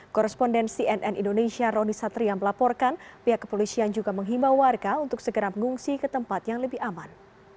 korrespondensi nn indonesia roni satria melaporkan pihak kepolisian juga menghimbau warga untuk segera mengungsi ke tempat yang lebih aman